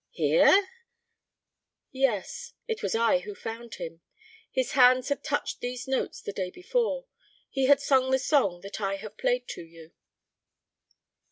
"Here?" "Yes. It was I who found him. His hands had touched these notes the day before. He had sung the song that I have played to you."